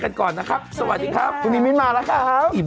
เขาต้องหามุกด้วยอ้างข้าวด้วยอะไรอย่างนี้